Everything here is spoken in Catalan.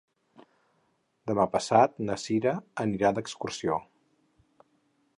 Demà passat na Cira anirà d'excursió.